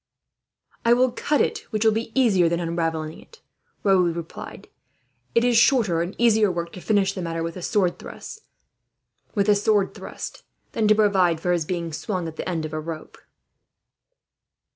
"I will cut it, which will be easier than unravelling it," Raoul replied. "It is shorter and easier work, to finish the matter with a sword thrust, than to provide for his being swung at the end of a rope."